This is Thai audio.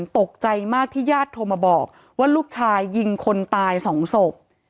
ตกใจมากที่ญาติโทรมาบอกว่าลูกชายยิงคนตายสองศพ